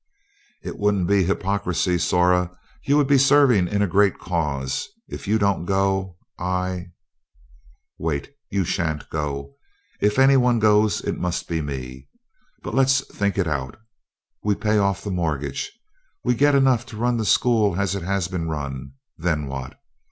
"It wouldn't be hypocrisy, Zora; you would be serving in a great cause. If you don't go, I " "Wait! You sha'n't go. If any one goes it must be me. But let's think it out: we pay off the mortgage, we get enough to run the school as it has been run. Then what?